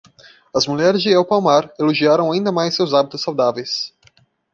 As mulheres de El Palmar elogiaram ainda mais seus hábitos saudáveis.